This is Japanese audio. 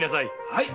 はい！